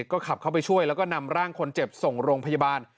ก็ขับเข้าไปช่วยแล้วก็นำร่างคนเจ็บส่งโรงพยาบาล